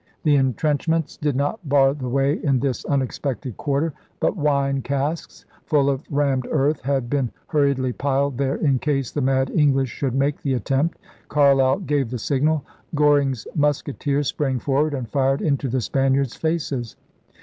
The entrench ments did not bar the way in this unexpected quarter. But wine casks full of rammed earth had been hurriedly piled there in case the mad English should make the attempt. Carleill gave the signal. Goring's musketeers sprang forward and fired into the Spaniards' faces.